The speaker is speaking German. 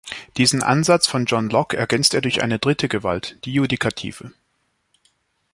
Diesen Ansatz von John Locke ergänzt er durch eine dritte Gewalt, die Judikative.